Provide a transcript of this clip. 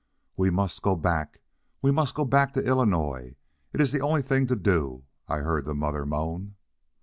"We must go back—we must go back to Illinois. It is the only thing to do," I heard the mother moan.